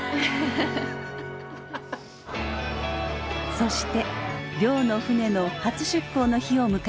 そして亮の船の初出港の日を迎えました。